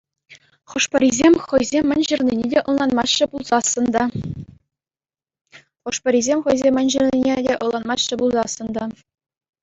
Хӑшпӗрисем хӑйсем мӗн ҫырнине те ӑнланмаҫҫӗ пулсассӑн та.